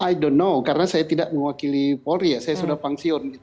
i ⁇ don know karena saya tidak mewakili polri ya saya sudah pangsion